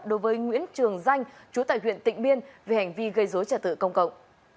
đối với nguyễn trường danh chú tại huyện tịnh biên về hành vi gây dối trả tự công cộng